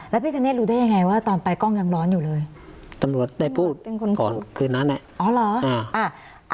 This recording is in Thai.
แล้วพี่ธเนธรู้ได้ยังไงว่าตอนไปกล้องยังร้อนอยู่เลยตำรวจได้พูดเป็นคนก่อนคืนนั้นอ่ะอ๋อเหรอ